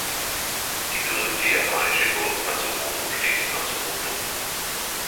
Die berühmte japanische Burg Matsumoto steht in Matsumoto.